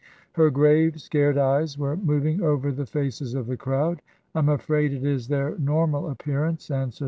Her grave, scared eyes were moving over the faces of the crowd. " I'm afraid it is their normal appearance," answered TRANSITION.